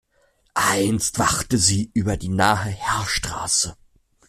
Einst wachte sie über die nahe Heerstraße.